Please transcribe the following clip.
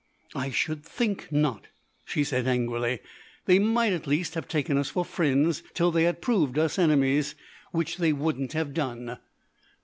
"I should think not," she said angrily. "They might at least have taken us for friends till they had proved us enemies, which they wouldn't have done.